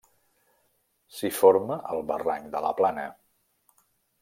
S'hi forma el barranc de la Plana.